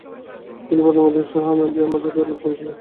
তিনি পদমর্যাদায় অধিষ্ঠিত হন এবং বেয়ের মর্যাদায় লাভ করেছিলেন ।